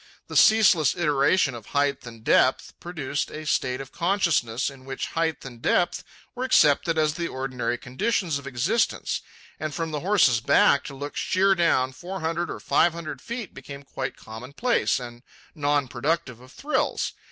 The ceaseless iteration of height and depth produced a state of consciousness in which height and depth were accepted as the ordinary conditions of existence; and from the horse's back to look sheer down four hundred or five hundred feet became quite commonplace and non productive of thrills.